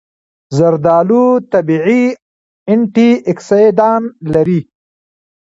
زردآلو طبیعي انټياکسیدان لري.